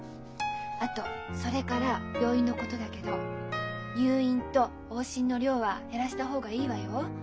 あとそれから病院のことだけど入院と往診の量は減らした方がいいわよ。